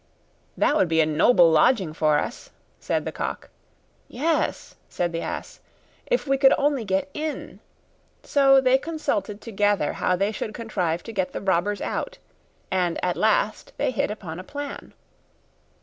'That would be a noble lodging for us,' said the cock. 'Yes,' said the ass, 'if we could only get in'; so they consulted together how they should contrive to get the robbers out; and at last they hit upon a plan.